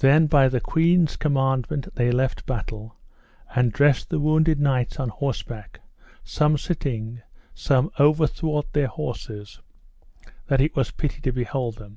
Then by the queen's commandment they left battle, and dressed the wounded knights on horseback, some sitting, some overthwart their horses, that it was pity to behold them.